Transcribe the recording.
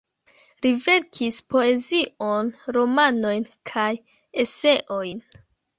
Li verkis poezion, romanojn kaj eseojn.